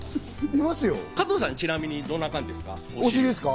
加藤さん、ちなみにどういう感じですか？